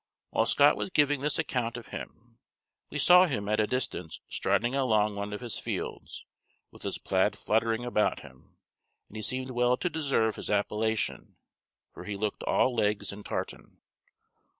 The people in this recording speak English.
While Scott was giving this account of him, we saw him at a distance striding along one of his fields, with his plaid fluttering about him, and he seemed well to deserve his appellation, for he looked all legs and tartan.